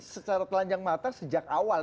secara telanjang mata sejak awal